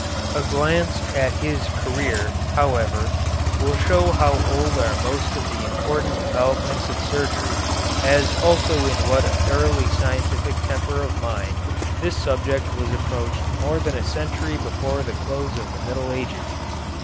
A glance at his career, however, will show how old are most of the important developments of surgery, as also in what a thoroughly scientific temper of mind this subject was approached more than a century before the close of the Middle Ages.